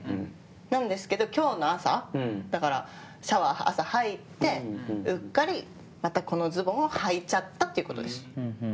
なんですけど今日の朝シャワー入ってうっかりまたこのズボンをはいちゃったってことです。